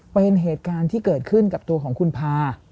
เป็นเหตุการณ์ที่เกิดขึ้นกับตัวของคุณพา